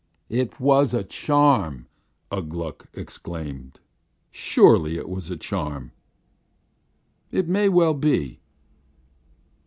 "It was a charm!" Ugh Gluk exclaimed. "Surely it was a charm!" "It may well be."